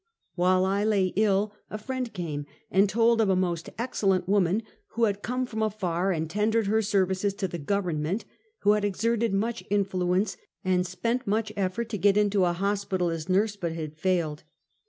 "While I lay ill, a friend came and told of a most excellent woman who had come from afar, and ten dered her services to the Government, who had exerted much influence and spent much effort to get into a hospital as nurse, but had failed.